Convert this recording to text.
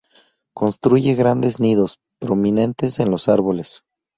Construye grandes nidos prominentes en los árboles.